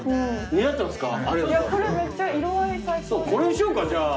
これにしようかじゃあ。